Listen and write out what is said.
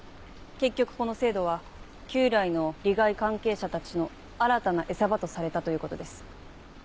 結局この制度は旧来の利害関係者たちの新たな餌場とされたということです。